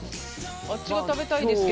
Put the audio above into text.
あっちが食べたいですけど。